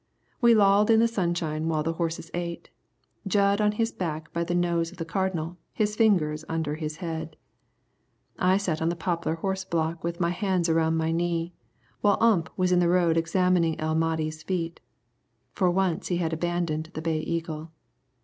We lolled in the sunshine while the horses ate, Jud on his back by the nose of the Cardinal, his fingers linked under his head. I sat on the poplar horse block with my hands around my knee, while Ump was in the road examining El Mahdi's feet. For once he had abandoned the Bay Eagle.